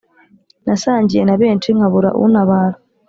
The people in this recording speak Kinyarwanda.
nasangiye na benshi nkabura untabara.